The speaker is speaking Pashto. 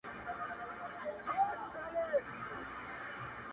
دا ستا د حسن د اختر پر تندي.